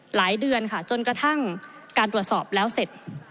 หลายเดือนค่ะจนกระทั่งการตรวจสอบแล้วเสร็จ